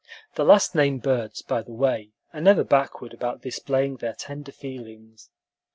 The last named birds, by the way, are never backward about displaying their tender feelings.